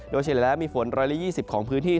โดยเฉลี่ยแล้วมีฝน๑๒๐ของพื้นที่